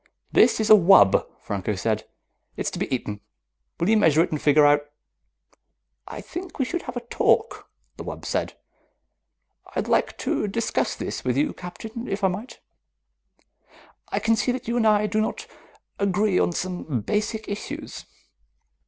"This is a wub," Franco said. "It's to be eaten. Will you measure it and figure out " "I think we should have a talk," the wub said. "I'd like to discuss this with you, Captain, if I might. I can see that you and I do not agree on some basic issues."